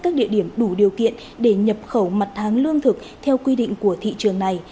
các địa điểm đủ điều kiện để nhập khẩu mặt hàng lương thực theo quy định của thị trường này